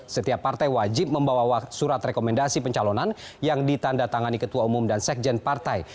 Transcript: setiap partai wajib membawa surat rekomendasi pencalonan yang ditanda tangani ketua umum dan sekjen partai